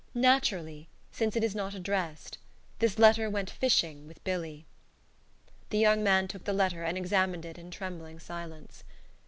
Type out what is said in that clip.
"Naturally since it is not addressed. This letter went fishing with Billy." The young man took the letter and examined it in trembling silence.